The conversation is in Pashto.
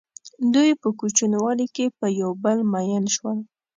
دوی په کوچنیوالي کې په یو بل مئین شول.